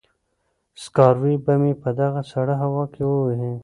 سکاروی به مې په دغه سړه هوا کې ووهي.